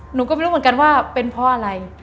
หนูก็ไม่รู้เหมือนกันว่าเป็นเพราะอะไร